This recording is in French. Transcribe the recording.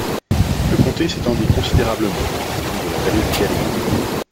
Le comté s'étendit considérablement, le long de la vallée du Gallego.